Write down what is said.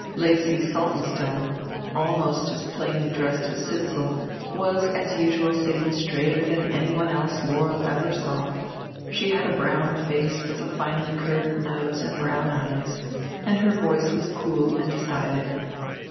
Lacy Saltonstone, almost as plainly dressed as Sidsall, was as usual sitting straighter than anyone else Laurel ever saw; she had a brown face with a finely curved nose and brown eyes, and her voice was cool and decided.